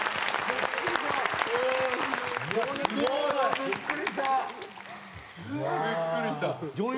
びっくりした。